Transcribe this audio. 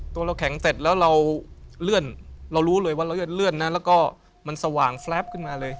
ตัวเราแข็งเสร็จแล้วเราเลื่อนเรารู้เลยว่าเราเลื่อนนะแล้วก็มันสว่างแรปขึ้นมาเลย